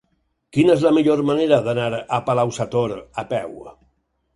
Quina és la millor manera d'anar a Palau-sator a peu?